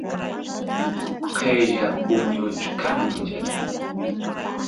qella puñuchkanlla